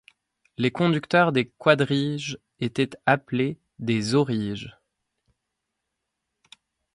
Les conducteurs des quadriges étaient appelés des auriges.